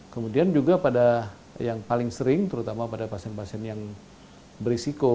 kemudian juga pada yang paling sering terutama pada pasien pasien yang berisiko